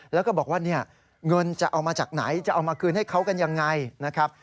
แล้วก็บอกว่าเนี่ยเงินจะเอามาจากไหนจะเอามาคืนให้เขากันยังไงนะครับ